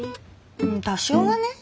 多少はね。